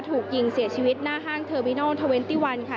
ถูกยิงเสียชีวิตหน้าห้างเทอร์มินัล๒๑ค่ะ